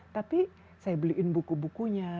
tapi saya beliin buku bukunya